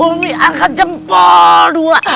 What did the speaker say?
umi angkat jempol dua